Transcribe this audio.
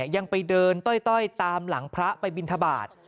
ยังไปเดินต้อยตามหลังพระไปบินทบาท